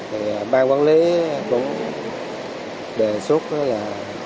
thì bang quản lý cũng đề xuất là